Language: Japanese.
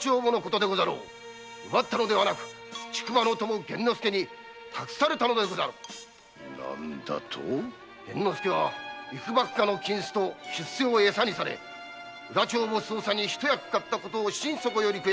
奪ったのではなく竹馬の友玄之介に託されたのでござる玄之介はいくばくかの金子と出世をエサにされ裏帳簿操作に一役買ったことを心底より悔やみ